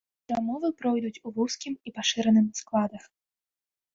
Перамовы пройдуць у вузкім і пашыраным складах.